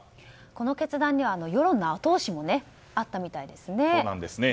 この決断には世論の後押しもあったみたいですね。